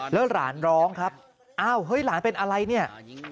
แล้วหลานร้องครับอ้าวเฮ้ยหลานเป็นอะไรเนี่ย